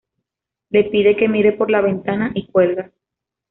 Le pide que mire por la ventana y cuelga.